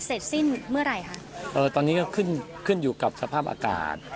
เสร็จสิ้นเมื่อไหร่คะเอ่อตอนนี้ก็ขึ้นขึ้นอยู่กับสภาพอากาศ